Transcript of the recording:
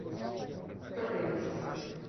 Terenos